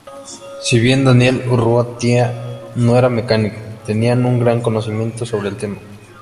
Si bien Daniel Urrutia no era mecánico, tenía un gran conocimiento sobre el tema.